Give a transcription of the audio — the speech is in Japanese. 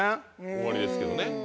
終わりですけどね。